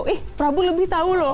ih prabu lebih tahu loh